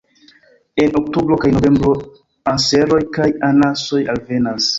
En oktobro kaj novembro anseroj kaj anasoj alvenas.